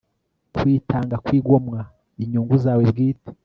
kwitanga kwigomwa inyungu zawe bwite